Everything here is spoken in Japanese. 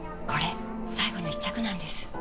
これ、最後の１着なんです。